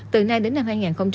từ nay đến năm hai nghìn ba mươi